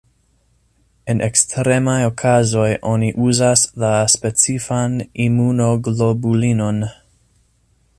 En ekstremaj okazoj oni uzas la specifan imunoglobulinon.